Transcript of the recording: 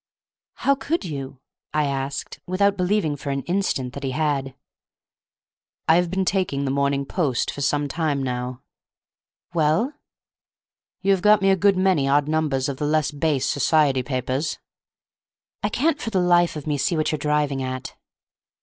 "How could you?" I asked, without believing for an instant that he had. "I have been taking the Morning Post for some time now." "Well?" "You have got me a good many odd numbers of the less base society papers." "I can't for the life of me see what you're driving at."